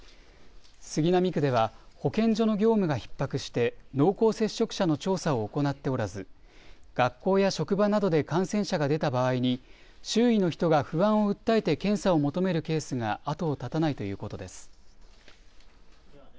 杉並区では保健所の業務がひっ迫して濃厚接触者の調査を行っておらず学校や職場などで感染者が出た場合に周囲の人が不安を訴えて検査を求めるケースが後を絶たないということです。